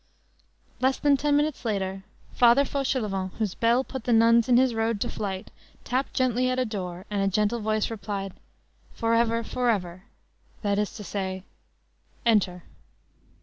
Less than ten minutes later, Father Fauchelevent, whose bell put the nuns in his road to flight, tapped gently at a door, and a gentle voice replied: _"Forever! Forever!" _ that is to say: _"Enter."